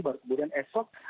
baru kemudian esok